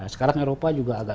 sekarang eropa juga agak